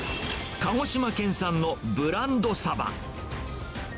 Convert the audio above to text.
鹿児島県産のブランドサバ。